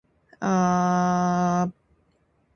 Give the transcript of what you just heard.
Sudah waktunya kamu berhenti bersikap kekanak-kanakan.